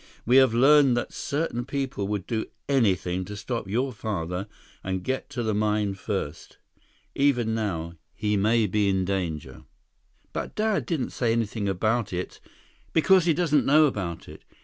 We have learned that certain people would do anything to stop your father and get to the mine first. Even now, he may be in danger." "But Dad didn't say anything about it—" "Because he doesn't know about it.